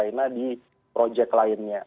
dengan pemerintah china di projek lainnya